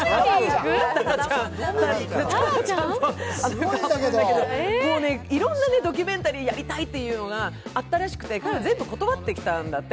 タラちゃんはいろんなドキュメンタリーをやりたいというのがあったけれど、全部断ってきたんだって。